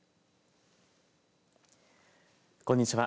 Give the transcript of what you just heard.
こんにちは。